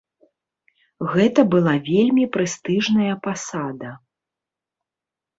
Гэта была вельмі прэстыжная пасада.